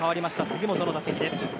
杉本の打席です。